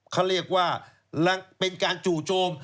เขาเรียกว่าเป็นการจู่โจม